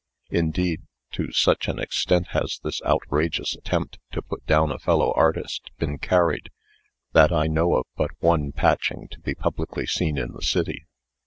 Indeed, to such an extent has this outrageous attempt to put down a fellow artist been carried, that I know of but one Patching to be publicly seen in the city.